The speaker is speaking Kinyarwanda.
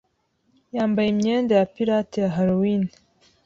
Yambaye imyenda ya pirate ya Halloween.